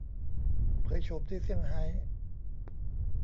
เผยโฉมที่เซี่ยงไฮ้